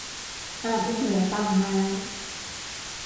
อาบเหงื่อต่างน้ำ